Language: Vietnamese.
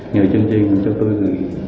nhờ chương trình cho tôi gửi